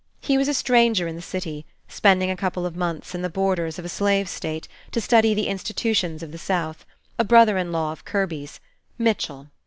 He was a stranger in the city, spending a couple of months in the borders of a Slave State, to study the institutions of the South, a brother in law of Kirby's, Mitchell.